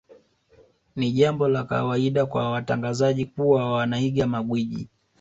Ni jambo la kawaida kwa watangazaji kuwa wanaiga magwiji